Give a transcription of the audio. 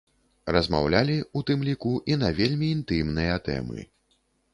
Размаўлялі, у тым ліку, і на вельмі інтымныя тэмы.